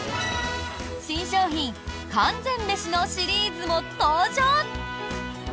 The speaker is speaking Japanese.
新商品、完全メシのシリーズも登場。